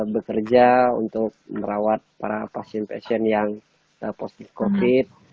bekerja untuk merawat para pasien pasien yang positif covid